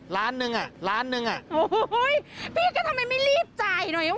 ล้านหนึ่งอ่ะล้านหนึ่งอ่ะโอ้โหพี่ก็ทำไมไม่รีบจ่ายหน่อยวะ